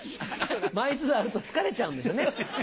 枚数あると疲れちゃうんですよね。